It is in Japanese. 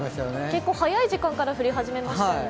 結構早い時間から降り始めましたよね。